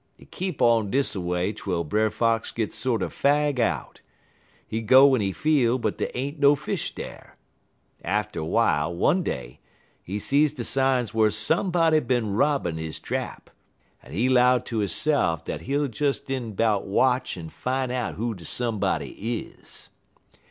Hit keep on dis a way twel Brer Fox git sorter fag out. He go en he feel, but dey ain't no fish dar. Atter w'ile, one day, he see de signs whar somebody bin robbin' he trap, en he 'low ter hisse'f dat he'll des in 'bout watch en fine out who de somebody is.